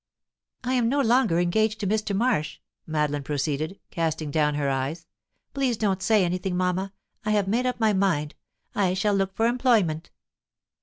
"I am no longer engaged to Mr. Marsh," Madeline proceeded, casting down her eyes. "Please don't say anything, mamma. I have made up my mind. I shall look for employment."